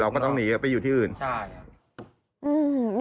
ก็ต้องหนีไปอยู่ที่อื่นใช่อืม